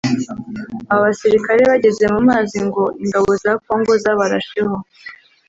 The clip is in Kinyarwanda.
Aba basirikare bageze mu mazi ngo ingabo za Congo zabarasheho